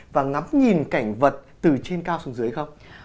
và ngắm nhìn cảnh vật từ trên cao xuống dưới không